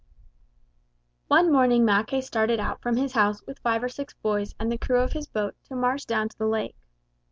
One morning Mackay started out from his house with five or six boys and the crew of his boat to march down to the lake.